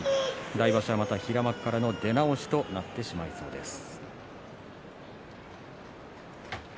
来場所はまた平幕からの出直しとなってしまいそうです。